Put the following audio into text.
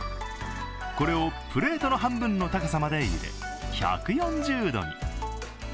これをプレートの半分の高さまで入れ１４０度に。